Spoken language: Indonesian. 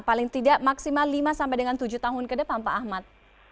paling tidak maksimal lima sampai dengan tujuh tahun ke depan pak ahmad